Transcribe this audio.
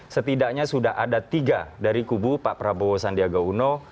setidaknya sudah ada tiga dari kubu pak prabowo sandiaga uno